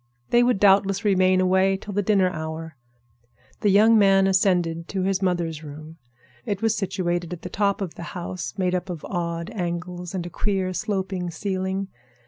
They would doubtless remain away till the dinner hour. The young man ascended to his mother's room. It was situated at the top of the house, made up of odd angles and a queer, sloping ceiling.